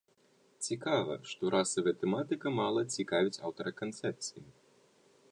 Цікава, што расавая тэматыка мала цікавіць аўтара канцэпцыі.